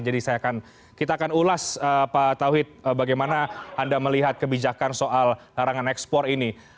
jadi kita akan ulas pak tauhid bagaimana anda melihat kebijakan soal larangan ekspor ini